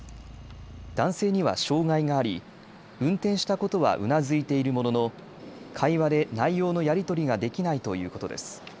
男性には障害があり、運転したことはうなずいているものの会話で内容のやり取りができないということです。